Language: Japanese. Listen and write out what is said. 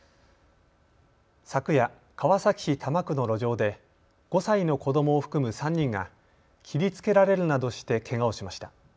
昨夜、川崎市多摩区の路上で５歳の子どもを含む３人が切りつけられるなどしてけがをしました。